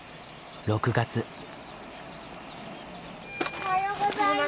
おはようございます。